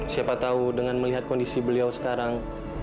siapa tahu dengan melihat kondisi beliau sekarang